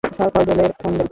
Sir, ফয়জলের phone দেন।